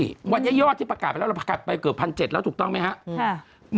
วันขึ้นวันนี้ยอดที่ประกาศแล้วเราประกาศไปเกือบพันเจ็ดแล้วถูกต้องไหมครับ